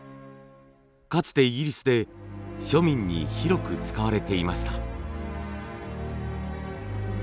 かつてイギリスで庶民に広く使われていました。